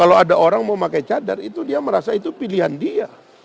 kalau ada orang mau pakai cadar itu dia merasa itu pilihan dia